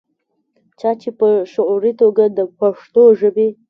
چا چې پۀ شعوري توګه دَپښتو ژبې